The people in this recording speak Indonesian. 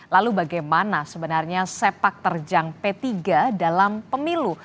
lalu bagaimana sebenarnya sepak terjang p tiga dalam pemilu